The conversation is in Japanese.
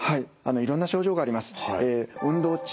いろんな症状があります。